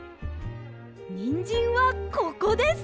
にんじんはここです。